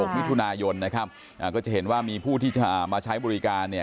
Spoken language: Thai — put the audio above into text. มิถุนายนนะครับก็จะเห็นว่ามีผู้ที่มาใช้บริการเนี่ย